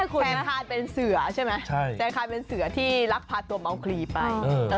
แฟนคายเป็นเสือใช่ไหมแฟนคายเป็นเสือที่ลักพาตัวเมาคลีไป